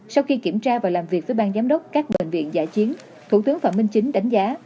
sau khi kiểm tra và làm việc với bang giám đốc các bệnh viện giả chiến thủ tướng phạm minh chính đánh giá